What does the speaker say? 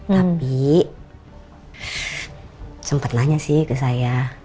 tapi sempet nanya sih ke saya